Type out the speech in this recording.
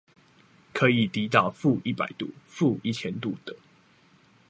可以低到負一百度、負一千度等